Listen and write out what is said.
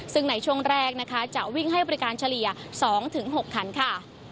ซึ่งในช่วงแรกนะคะจะวิ่งให้บริการเฉลี่ย๒๖คันค่ะ